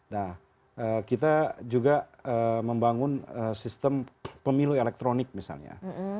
nah kita juga membangun sistem pemilu elektronik misalnya